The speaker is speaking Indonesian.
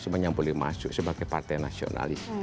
semuanya boleh masuk sebagai partai nasionalis